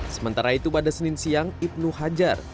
sementara itu pada senin siang ibnu hajar